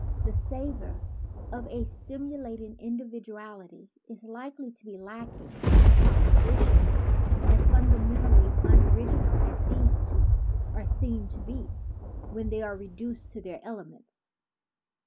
The savor of a stimulating indi viduality is likely to be lacking from composi tions as fundamentally unoriginal as these two are seen to be when they are reduced to their elements.